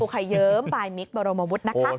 ปูไข่เยิ้มปลายมิกบรมวุฒินะคะ